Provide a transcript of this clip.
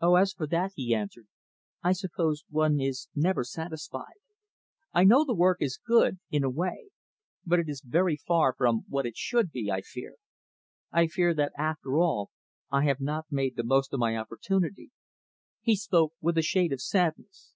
"Oh, as for that," he answered, "I suppose one is never satisfied. I know the work is good in a way. But it is very far from what it should be, I fear. I feel that, after all, I have not made the most of my opportunity." He spoke with a shade of sadness.